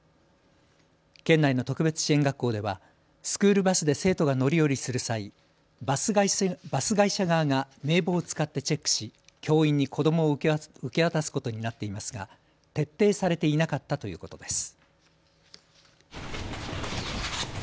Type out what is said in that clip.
県内の特別支援学校ではスクールバスで生徒が乗り降りする際、バス会社側が名簿を使ってチェックし教員に子どもを受け渡すことになっていますが徹底されていなかったということです。